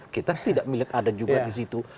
kita tidak melihat ada juga di situ